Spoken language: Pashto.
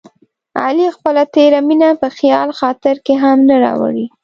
علي خپله تېره مینه په خیال خاطر کې هم نه راوړي.